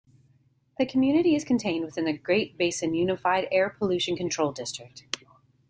The community is contained within the Great Basin Unified Air Pollution Control District.